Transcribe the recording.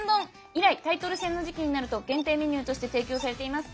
以来タイトル戦の時期になると限定メニューとして提供されています。